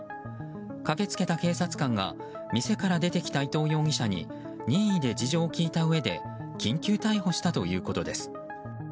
駆けつけた警察官が店から出てきた伊藤容疑者に任意で事情を聴いたうえで緊急逮捕したということです。